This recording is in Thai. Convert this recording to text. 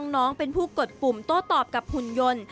น้องเป็นผู้กดปุ่มโต้ตอบกับหุ่นยนต์